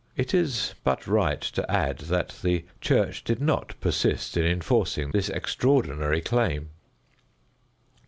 It is but right to add that the Church did not persist in enforcing this extraordinary claim.